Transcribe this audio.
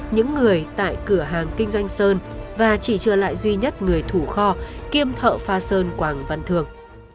những người tại cửa hàng kinh doanh sơn và chỉ trở lại duy nhất người thủ kho kiêm thợ pha sơn quảng văn thương